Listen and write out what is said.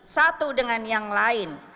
satu dengan yang lain